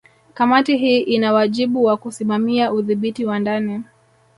Kamati hii ina wajibu wa kusimamia udhibiti wa ndani